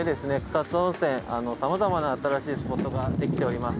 草津温泉、さまざまな新しいスポットができております。